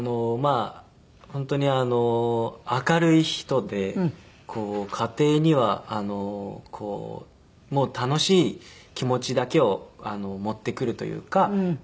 本当に明るい人で家庭には楽しい気持ちだけを持ってくるというか。